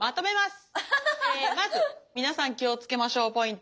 まず皆さん気を付けましょうポイント。